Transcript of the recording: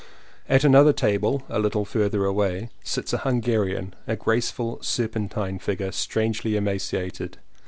At another table, a little farther away, sits a Hun garian — a graceful serpentine figure strange ly emaciated.